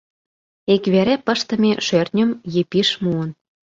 Ик вере пыштыме шӧртньым Епиш муын.